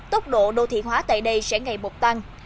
tốc độ đô thị hóa tại đây sẽ ngày một tăng